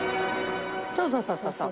そうそうそうそうそう。